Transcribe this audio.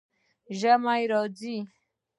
ژمی راځي